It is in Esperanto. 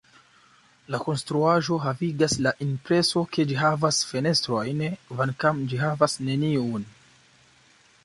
La konstruaĵo havigas la impreson ke ĝi havas fenestrojn, kvankam ĝi havas neniun.